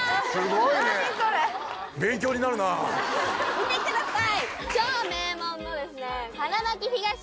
見てください！